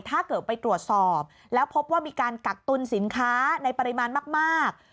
ถ้าเกิดไปตรวจสอบแล้วพบว่ามีการกักตุลสินค้าในปริมาณมาก